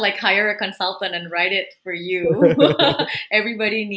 mengundang konsultan dan menulisnya untuk kalian